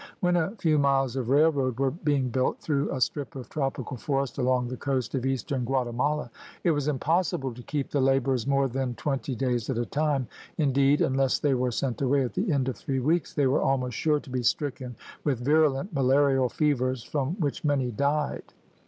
When a few miles of railroad were being built through a strip of tropical forest along the coast of eastern Guatemala, it was impossible to keep the laborers more than twenty days at a time; indeed, unless they were sent away at the end of three weeks, they were almost sure to be stricken with virulent malarial fevers from which many died.